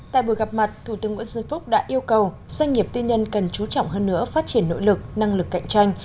tại buổi gặp mặt thủ tướng nguyễn xuân phúc đã yêu cầu doanh nghiệp tư nhân cần chú trọng hơn nữa phát triển nỗ lực năng lực cạnh tranh